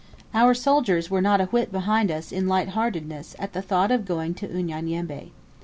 Our soldiers were not a whit behind us in lightheartedness at the thought of going to Unyanyembe.